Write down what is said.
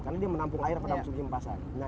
karena dia menampung air pada musim pasar